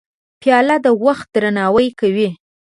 پیاله د وخت درناوی کوي.